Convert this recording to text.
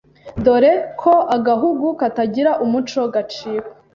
dore ko agahugu katagira umuco gacika